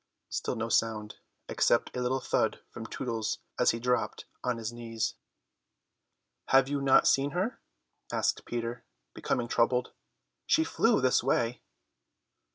Still no sound, except a little thud from Tootles as he dropped on his knees. "Have you not seen her?" asked Peter, becoming troubled. "She flew this way."